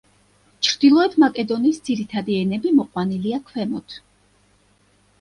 ჩრდილოეთ მაკედონიის ძირითადი ენები მოყვანილია ქვემოთ.